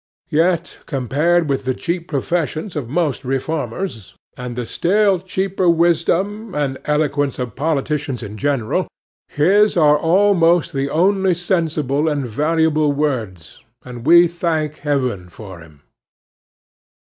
Yet, compared with the cheap professions of most reformers, and the still cheaper wisdom and eloquence of politicians in general, his are almost the only sensible and valuable words, and we thank Heaven for him.